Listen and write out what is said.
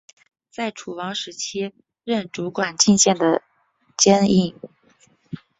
在楚庄王时期任主管进谏的箴尹。